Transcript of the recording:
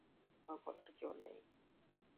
এসব দেখার বা বলার কেউ নেই।